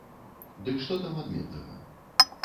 Дык што там адметнага?